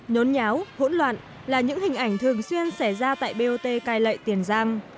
nhốn nháo hỗn loạn là những hình ảnh thường xuyên xảy ra tại bot cai lệ tiền giang